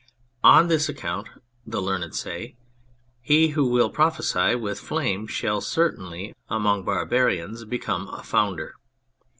On this account (the learned say) he who will prophesy with flame shall certainly among barbarians become a founder.